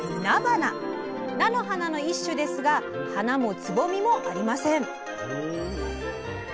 菜の花の一種ですが花もつぼみもありません。